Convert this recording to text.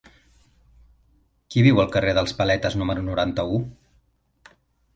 Qui viu al carrer dels Paletes número noranta-u?